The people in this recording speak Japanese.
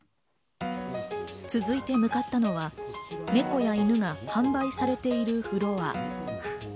続いて向かったのは猫や犬が販売されているフロア。